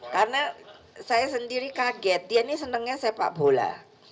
karena saya sendiri kaget dia ini senangnya sepak bola